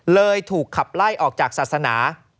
เลยถูกขับไล่ออกจากศาสนา